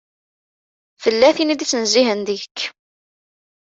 Tella tin i d-ittnezzihen deg-k.